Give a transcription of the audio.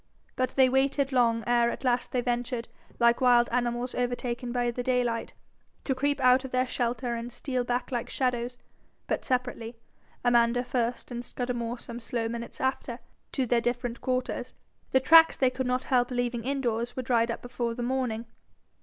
But they waited long ere at last they ventured, like wild animals overtaken by the daylight, to creep out of their shelter and steal back like shadows but separately, Amanda first, and Scudamore some slow minutes after to their different quarters. The tracks they could not help leaving in doors were dried up before the morning.